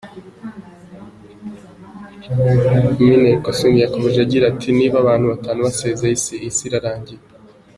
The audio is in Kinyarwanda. Amine El Kosseifi yakomeje agira ati “Niba abantu batanu basezeye, Isi irarangiye”.